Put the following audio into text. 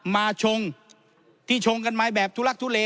ชงที่ชงกันมาแบบทุลักทุเล